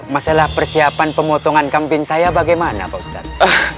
masalah persiapan pemotongan kambing saya bagaimana pak ustadz